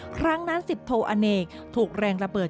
ครั้งนั้น๑๐โทอเนกถูกแรงระเบิด